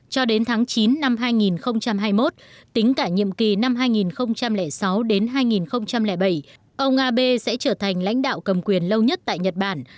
cho đến tháng chín năm hai nghìn hai mươi một tính cả nhiệm kỳ năm hai nghìn sáu hai nghìn bảy ông abe sẽ trở thành lãnh đạo cầm quyền lâu nhất tại nhật bản